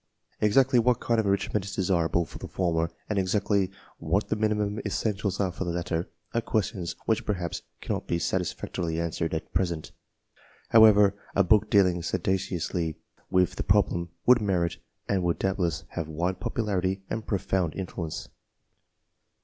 Exactly what kind of enrich ment is desirable for the former, and exactly what the minimum essentials are for the latter, are questions which perhaps cannot be satisfactorily answered at present,/ However, a book dealing sagaciously with this^ / problem would merit and would doubtless have wide popularity and profound influence.